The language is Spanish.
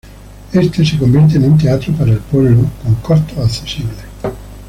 Este se convierte en un teatro para el pueblo, con costos accesibles.